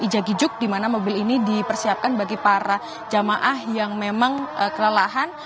ijagijug dimana mobil ini dipersiapkan bagi para jamaah yang memang kelelahan